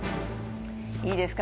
いいですか？